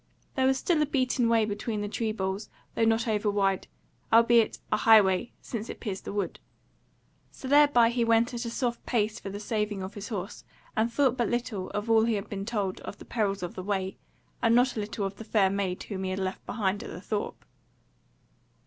There was still a beaten way between the tree boles, though not overwide, albeit, a highway, since it pierced the wood. So thereby he went at a soft pace for the saving of his horse, and thought but little of all he had been told of the perils of the way, and not a little of the fair maid whom he had left behind at the Thorp.